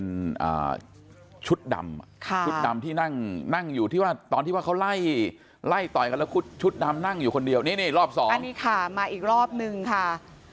อ่าชุดดำอ่ะค่ะชุดดำที่นั่งนั่งอยู่ที่ว่าตอนที่ว่าเขาไล่ไล่ต่อยกันแล้วชุดดำนั่งอยู่คนเดียวนี่นี่รอบสองอันนี้ค่ะมาอีกรอบนึงค่ะ